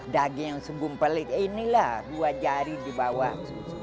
daging yang segumpal itu inilah dua jari dibawah